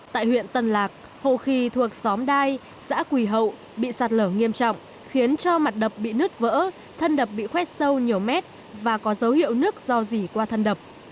tại huyện tân lạc hộ khí thuộc xóm đai xã quỳ hậu bị sạt lở nghiêm trọng khiến cho mặt đập bị nứt vỡ thân đập bị khuét sâu nhiều mét và có dấu hiệu nước do dỉ qua thân đập